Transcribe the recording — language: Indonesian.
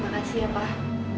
makasih ya pak